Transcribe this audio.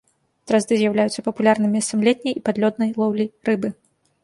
Дразды з'яўляюцца папулярным месцам летняй і падлёднай лоўлі рыбы.